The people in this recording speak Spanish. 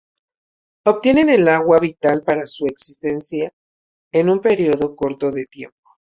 Obtienen el agua vital para su existencia en un periodo corto de tiempo.